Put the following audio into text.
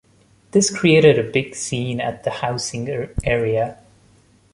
This created a big scene at the housing area.